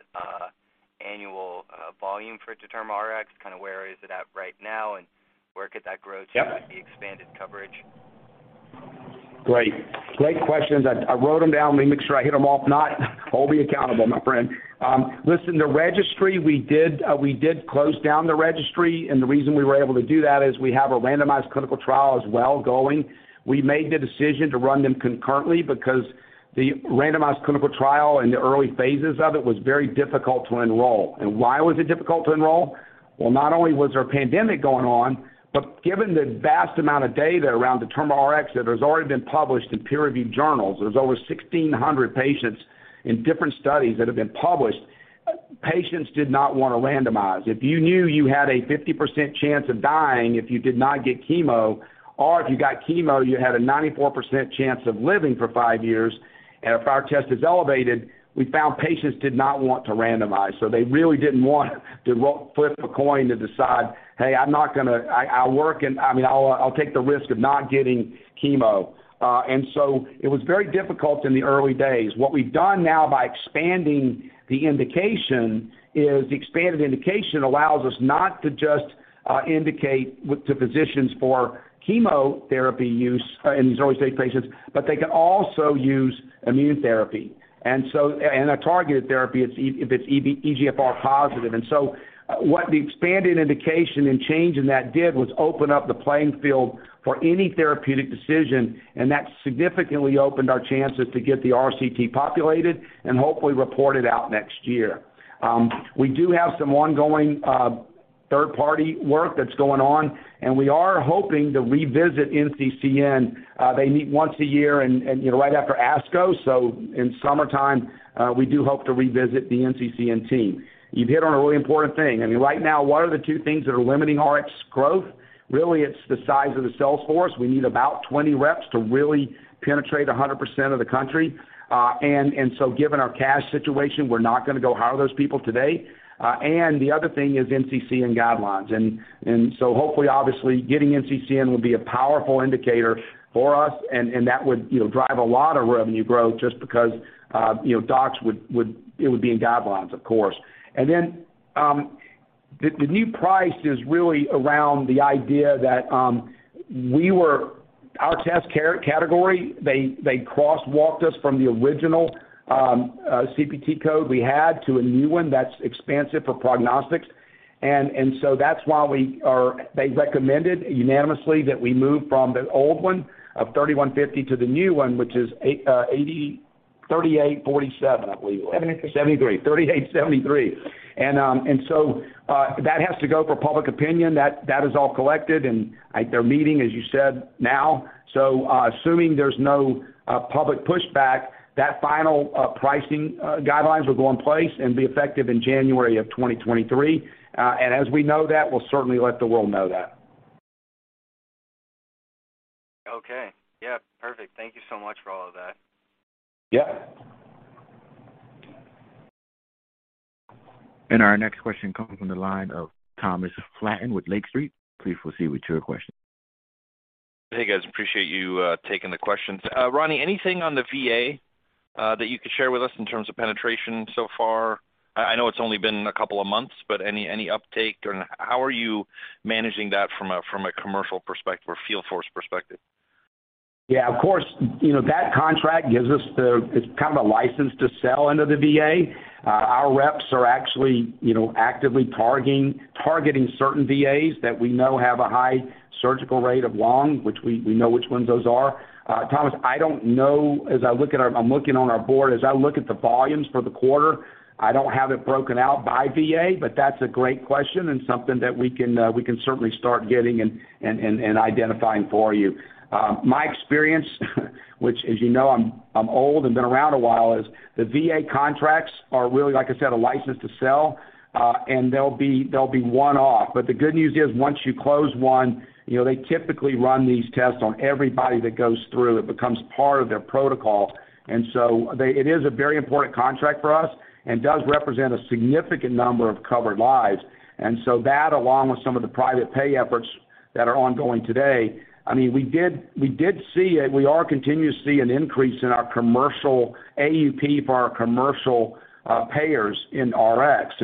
annual volume for DetermaRx? Kinda where is it at right now, and where could that grow? Yeah. To with the expanded coverage? Great. Great questions. I wrote them down. Let me make sure I hit them all. If not, I'll be accountable, my friend. Listen, the registry, we did close down the registry, and the reason we were able to do that is we have a randomized clinical trial as well going. We made the decision to run them concurrently because the randomized clinical trial in the early phases of it was very difficult to enroll. Why was it difficult to enroll? Well, not only was there a pandemic going on, but given the vast amount of data around DetermaRx that has already been published in peer-reviewed journals, there's over 1,600 patients in different studies that have been published. Patients did not wanna randomize. If you knew you had a 50% chance of dying if you did not get chemo or if you got chemo, you had a 94% chance of living for five years, and if our test is elevated, we found patients did not want to randomize. They really didn't want to flip a coin to decide, "Hey, I'm not gonna. I work and, I mean, I'll take the risk of not getting chemo." It was very difficult in the early days. What we've done now by expanding the indication is the expanded indication allows us not to just indicate with the physicians for chemotherapy use in these early-stage patients, but they can also use immune therapy and a targeted therapy if it's EGFR positive. What the expanded indication and change in that did was open up the playing field for any therapeutic decision, and that significantly opened our chances to get the RCT populated and hopefully reported out next year. We do have some ongoing third-party work that's going on, and we are hoping to revisit NCCN. They meet once a year and, you know, right after ASCO. In summertime, we do hope to revisit the NCCN team. You've hit on a really important thing. I mean, right now, what are the two things that are limiting Rx growth? Really, it's the size of the sales force. We need about 20 reps to really penetrate 100% of the country. Given our cash situation, we're not gonna go hire those people today. The other thing is NCCN guidelines. Hopefully, obviously, getting NCCN would be a powerful indicator for us and that would, you know, drive a lot of revenue growth just because, you know, docs would. It would be in guidelines, of course. The new price is really around the idea that our test category, they crosswalked us from the original CPT code we had to a new one that's expansive for prognostics. That's why they recommended unanimously that we move from the old one of $31.50 to the new one, which is $38.47, I believe. 73. 38 73. That has to go for public opinion. That is all collected and they're meeting, as you said now. Assuming there's no public pushback, that final pricing guidelines will go in place and be effective in January 2023. As we know that, we'll certainly let the world know that. Okay. Yeah, perfect. Thank you so much for all of that. Yeah. Our next question comes from the line of Thomas Flaten with Lake Street. Please proceed with your question. Hey, guys. Appreciate you taking the questions. Ronnie, anything on the VA that you could share with us in terms of penetration so far? I know it's only been a couple of months, but any uptake? How are you managing that from a commercial perspective or field force perspective? Yeah, of course. You know, that contract gives us. It's kind of a license to sell into the VA. Our reps are actually, you know, actively targeting certain VAs that we know have a high surgical rate of lung, which we know which ones those are. Thomas, I don't know, as I look at our board. I'm looking on our board. As I look at the volumes for the quarter, I don't have it broken out by VA, but that's a great question and something that we can certainly start getting and identifying for you. My experience, which, as you know, I'm old and been around a while, is the VA contracts are really, like I said a license to sell, and they'll be one-off. The good news is, once you close one, you know, they typically run these tests on everybody that goes through. It becomes part of their protocol. It is a very important contract for us and does represent a significant number of covered lives. That along with some of the private pay efforts that are ongoing today, I mean, we did see it. We are continuing to see an increase in our commercial AUP for our commercial payers in Rx.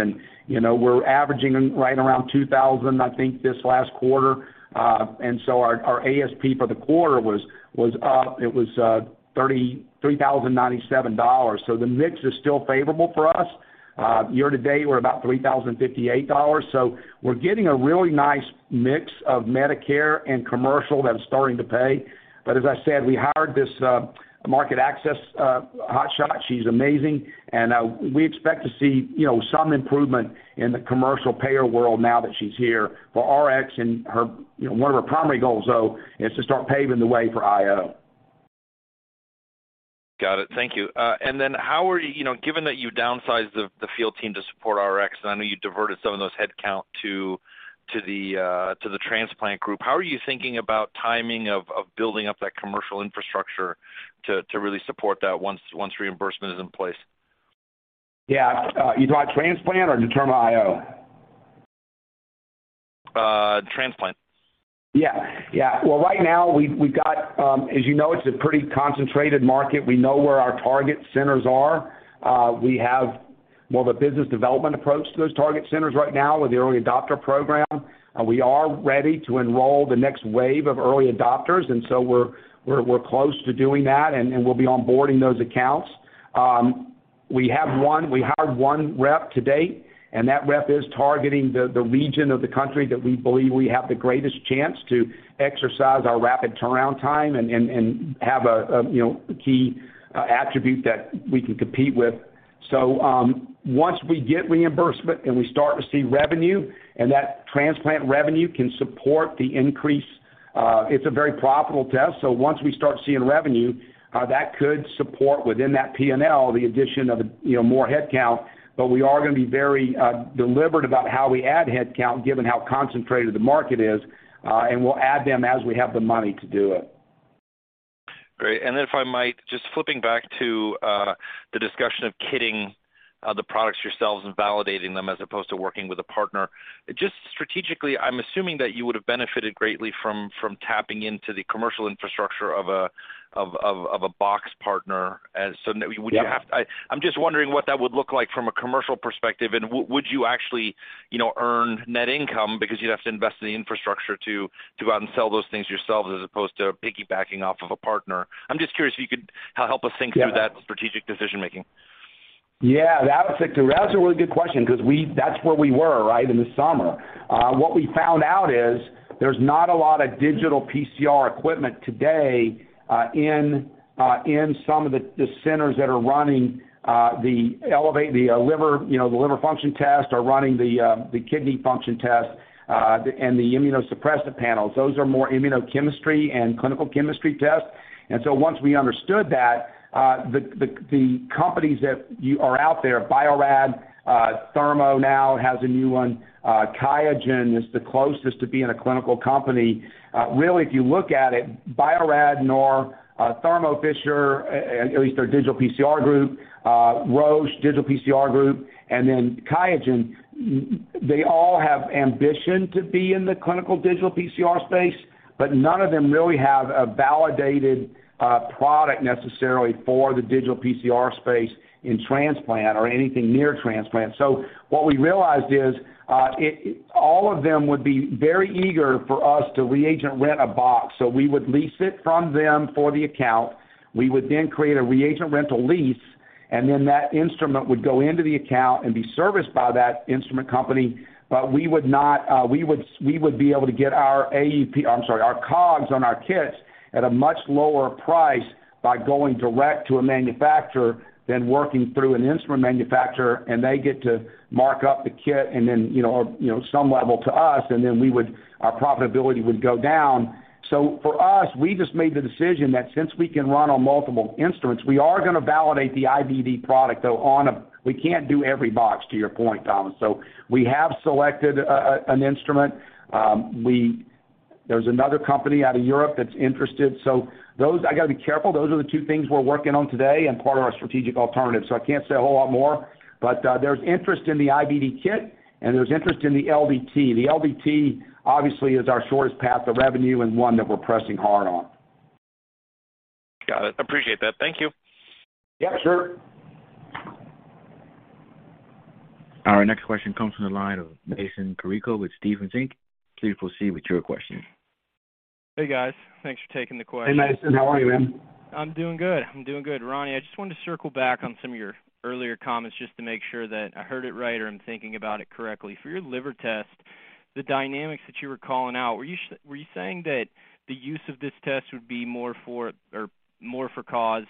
You know, we're averaging right around 2,000, I think, this last quarter. Our ASP for the quarter was up. It was $33,097. The mix is still favorable for us. Year to date, we're about $3,058. We're getting a really nice mix of Medicare and commercial that's starting to pay. As I said, we hired this market access hotshot. She's amazing. We expect to see, you know, some improvement in the commercial payer world now that she's here for Rx. Her, you know, one of her primary goals, though, is to start paving the way for IO. Got it. Thank you. How are you thinking about timing of building up that commercial infrastructure to really support that once reimbursement is in place? You know, given that you downsized the field team to support Rx, and I know you diverted some of those headcount to the transplant group. Yeah. You talking transplant or DetermaIO? Transplant. Yeah. Yeah. Well, right now we've got. As you know, it's a pretty concentrated market. We know where our target centers are. We have more of a business development approach to those target centers right now with the early adopter program. We are ready to enroll the next wave of early adopters, and so we're close to doing that, and we'll be onboarding those accounts. We hired one rep to date, and that rep is targeting the region of the country that we believe we have the greatest chance to exercise our rapid turnaround time and have a, you know, key attribute that we can compete with. So, once we get reimbursement and we start to see revenue and that transplant revenue can support the increase, it's a very profitable test. Once we start seeing revenue, that could support within that P&L the addition of, you know, more headcount, but we are gonna be very deliberate about how we add headcount given how concentrated the market is, and we'll add them as we have the money to do it. Great. If I might, just flipping back to the discussion of kitting the products yourselves and validating them as opposed to working with a partner. Just strategically, I'm assuming that you would have benefited greatly from tapping into the commercial infrastructure of a box partner as would you have. Yeah. I'm just wondering what that would look like from a commercial perspective. Would you actually, you know, earn net income because you'd have to invest in the infrastructure to go out and sell those things yourselves as opposed to piggybacking off of a partner? I'm just curious if you could help us think through that strategic decision-making. Yeah. That was a really good question 'cause that's where we were, right, in the summer. What we found out is there's not a lot of digital PCR equipment today in some of the centers that are running the liver, you know, the liver function test or running the kidney function test and the immunosuppressive panels. Those are more immunochemistry and clinical chemistry tests. Once we understood that, the companies that are out there, Bio-Rad, Thermo now has a new one. QIAGEN is the closest to being a clinical company. Really, if you look at it, neither Bio-Rad nor Thermo Fisher, at least their digital PCR group, Roche digital PCR group, and then QIAGEN, they all have ambition to be in the clinical digital PCR space, but none of them really have a validated product necessarily for the digital PCR space in transplant or anything near transplant. What we realized is, all of them would be very eager for us to reagent-rent a box. We would lease it from them for the account. We would then create a reagent rental lease. Then that instrument would go into the account and be serviced by that instrument company. We would not. We would be able to get our AUP, I'm sorry, our COGS on our kits at a much lower price by going direct to a manufacturer than working through an instrument manufacturer, and they get to mark up the kit and then, you know, some level to us, and then our profitability would go down. For us, we just made the decision that since we can run on multiple instruments, we are gonna validate the IVD product, though, on a. We can't do every box, to your point, Thomas. We have selected an instrument. There's another company out of Europe that's interested. I gotta be careful. Those are the two things we're working on today and part of our strategic alternative. I can't say a whole lot more, but there's interest in the IVD kit, and there's interest in the LDT. The LDT, obviously, is our shortest path to revenue and one that we're pressing hard on. Got it. Appreciate that. Thank you. Yeah, sure. Our next question comes from the line of Mason Carrico with Stephens Inc. Please proceed with your question. Hey, guys. Thanks for taking the question. Hey, Mason. How are you, man? I'm doing good. Ronnie, I just wanted to circle back on some of your earlier comments just to make sure that I heard it right or I'm thinking about it correctly. For your liver test, the dynamics that you were calling out, were you saying that the use of this test would be more for cause,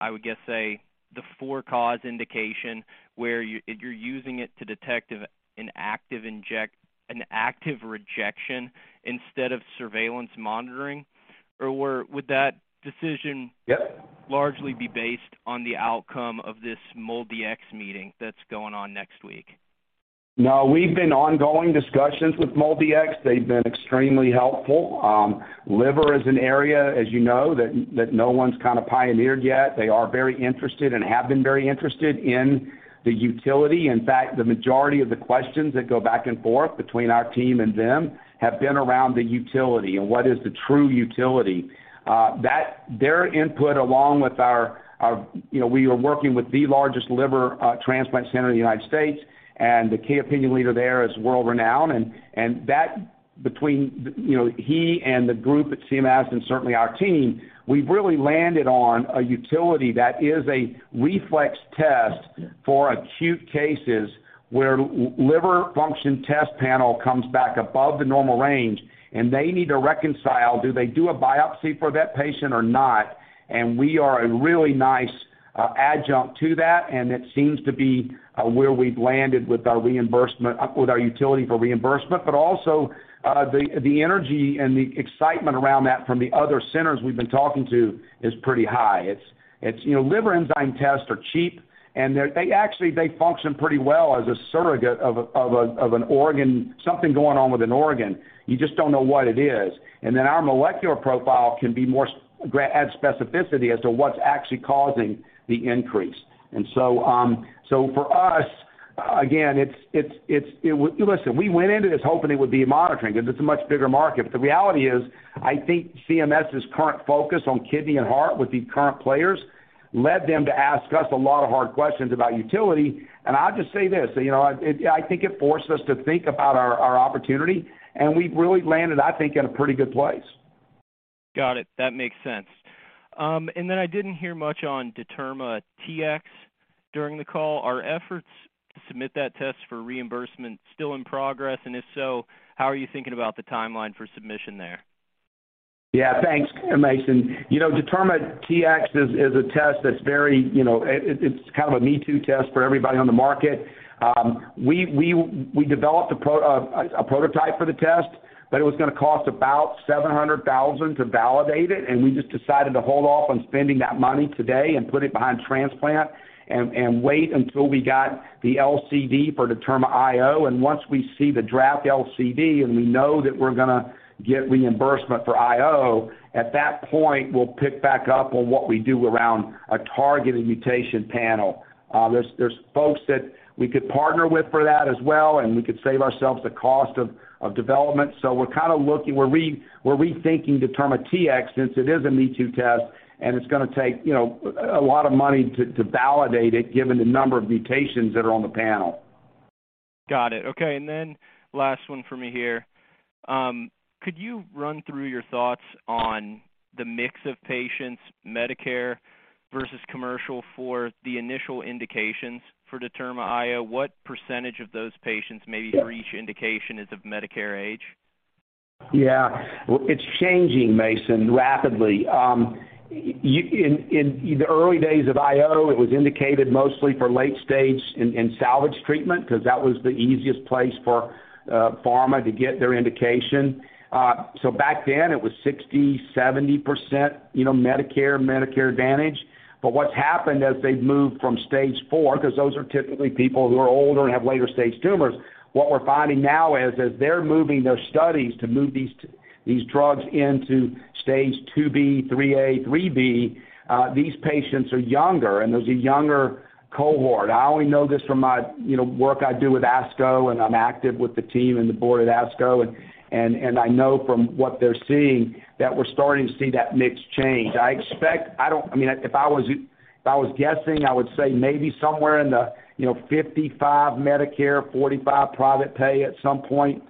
I would guess say, the for-cause indication where you're using it to detect an active rejection instead of surveillance monitoring? Or would that decision. Yep. Largely be based on the outcome of this MolDX meeting that's going on next week? No, we've been ongoing discussions with MolDX. They've been extremely helpful. Liver is an area, as you know, that no one's kinda pioneered yet. They are very interested and have been very interested in the utility. In fact, the majority of the questions that go back and forth between our team and them have been around the utility and what is the true utility. Their input, along with our, you know, we are working with the largest liver transplant center in the United States, and the key opinion leader there is world-renowned. That between, you know, he and the group at CMS and certainly our team, we've really landed on a utility that is a reflex test for acute cases where liver function test panel comes back above the normal range, and they need to reconcile do they do a biopsy for that patient or not, and we are a really nice adjunct to that, and it seems to be where we've landed with our reimbursement with our utility for reimbursement. Also, the energy and the excitement around that from the other centers we've been talking to is pretty high. It's, you know, liver enzyme tests are cheap, and they actually function pretty well as a surrogate of something going on with an organ. You just don't know what it is. Our molecular profile can add specificity as to what's actually causing the increase. For us, again, it's. Listen, we went into this hoping it would be monitoring 'cause it's a much bigger market. The reality is, I think CMS's current focus on kidney and heart with the current players led them to ask us a lot of hard questions about utility. I'll just say this, you know, I think it forced us to think about our opportunity, and we've really landed, I think, in a pretty good place. Got it. That makes sense. I didn't hear much on DetermaTx during the call. Are efforts to submit that test for reimbursement still in progress? If so, how are you thinking about the timeline for submission there? Yeah, thanks, Mason. You know, DetermaTx is a test that's very, you know, it's kind of a me-too test for everybody on the market. We developed a prototype for the test, but it was gonna cost about $700,000 to validate it, and we just decided to hold off on spending that money today and put it behind transplant and wait until we got the LCD for DetermaIO. Once we see the draft LCD, and we know that we're gonna get reimbursement for IO, at that point, we'll pick back up on what we do around a targeted mutation panel. There's folks that we could partner with for that as well, and we could save ourselves the cost of development. We're rethinking DetermaTx since it is a me-too test, and it's gonna take, you know, a lot of money to validate it given the number of mutations that are on the panel. Got it. Okay. Last one for me here. Could you run through your thoughts on the mix of patients, Medicare versus commercial, for the initial indications for DetermaIO? What percentage of those patients maybe for each indication is of Medicare age? Yeah. It's changing, Mason, rapidly. In the early days of IO, it was indicated mostly for late stage in salvage treatment 'cause that was the easiest place for pharma to get their indication. Back then it was 60%-70%, you know, Medicare Advantage. What's happened as they've moved from Stage 4, 'cause those are typically people who are older and have later-stage tumors, what we're finding now is, as they're moving their studies to move these drugs into Stage 2B, 3A, 3B, these patients are younger, and there's a younger cohort. I only know this from my, you know, work I do with ASCO, and I'm active with the team and the board at ASCO and I know from what they're seeing, that we're starting to see that mix change. I expect. I mean, if I was guessing, I would say maybe somewhere in the, you know, 55 Medicare, 45 private pay at some point.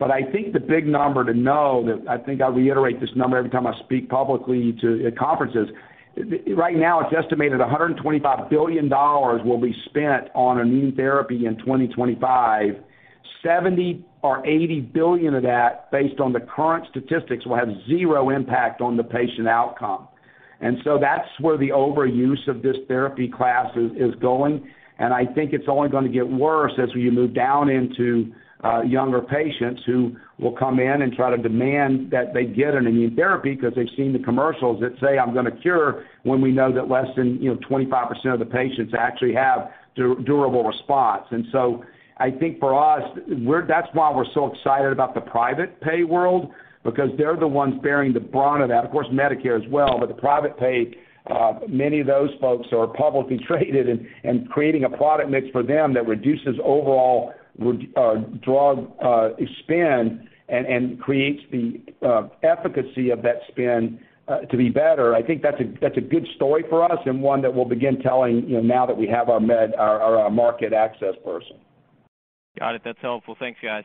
But I think the big number to know that I think I reiterate this number every time I speak publicly to conferences, right now, it's estimated $125 billion will be spent on immune therapy in 2025. Seventy or eighty billion of that, based on the current statistics, will have zero impact on the patient outcome. That's where the overuse of this therapy class is going. I think it's only gonna get worse as we move down into younger patients who will come in and try to demand that they get an immune therapy 'cause they've seen the commercials that say, "I'm gonna cure," when we know that less than, you know, 25% of the patients actually have durable response. I think for us, that's why we're so excited about the private pay world because they're the ones bearing the brunt of that. Of course, Medicare as well, but the private pay, many of those folks are publicly traded, and creating a product mix for them that reduces overall or drug spend and creates the efficacy of that spend to be better. I think that's a good story for us and one that we'll begin telling, you know, now that we have our market access person. Got it. That's helpful. Thanks, guys.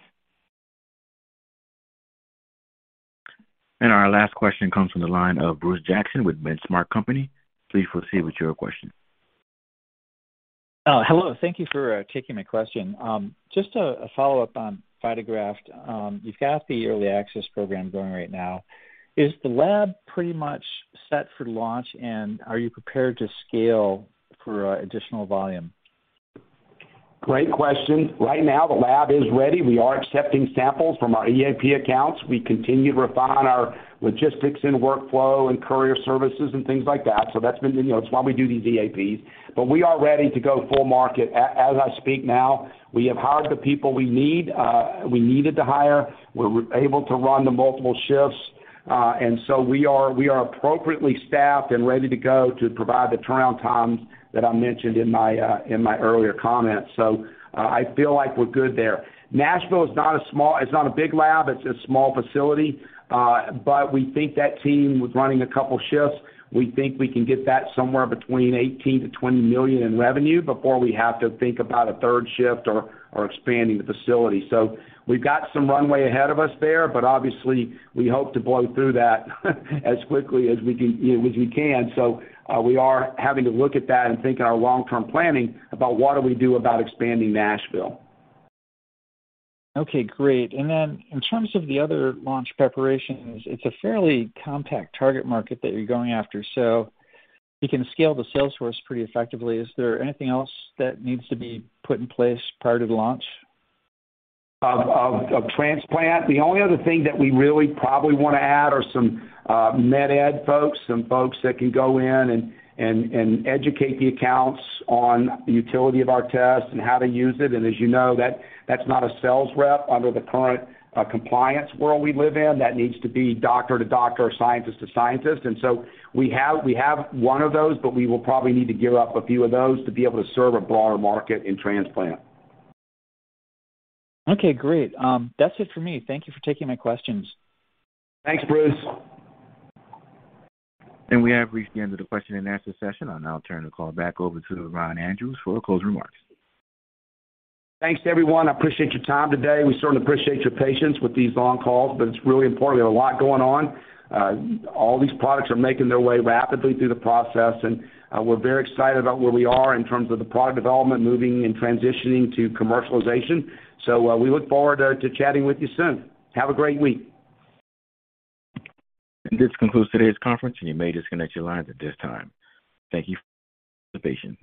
Our last question comes from the line of Bruce Jackson with The Benchmark Company. Please proceed with your question. Hello. Thank you for taking my question. Just a follow-up on VitaGraft. You've got the early access program going right now. Is the lab pretty much set for launch, and are you prepared to scale for additional volume? Great question. Right now, the lab is ready. We are accepting samples from our EAP accounts. We continue to refine our logistics and workflow and courier services and things like that, so that's been, you know, it's why we do these EAPs. We are ready to go full market. As I speak now, we have hired the people we need, we needed to hire. We're able to run the multiple shifts. And so we are appropriately staffed and ready to go to provide the turnaround times that I mentioned in my earlier comments. I feel like we're good there. Nashville is not a small. It's not a big lab. It's a small facility. We think that team, with running a couple shifts, we can get that somewhere between $18 million-$20 million in revenue before we have to think about a third shift or expanding the facility. We've got some runway ahead of us there, but obviously, we hope to blow through that as quickly as we can, you know, as we can. We are having to look at that and think in our long-term planning about what do we do about expanding Nashville. Okay, great. In terms of the other launch preparations, it's a fairly compact target market that you're going after, so you can scale the sales force pretty effectively. Is there anything else that needs to be put in place prior to the launch? Of transplant? The only other thing that we really probably wanna add are some med ed folks, some folks that can go in and educate the accounts on the utility of our tests and how to use it. As you know, that's not a sales rep under the current compliance world we live in. That needs to be doctor to doctor or scientist to scientist. We have one of those, but we will probably need to gear up a few of those to be able to serve a broader market in transplant. Okay, great. That's it for me. Thank you for taking my questions. Thanks, Bruce. We have reached the end of the question and answer session. I'll now turn the call back over to Ronnie Andrews for closing remarks. Thanks, everyone. I appreciate your time today. We certainly appreciate your patience with these long calls, but it's really important. We have a lot going on. All these products are making their way rapidly through the process, and we're very excited about where we are in terms of the product development, moving and transitioning to commercialization. We look forward to chatting with you soon. Have a great week. This concludes today's conference, and you may disconnect your lines at this time. Thank you for your participation.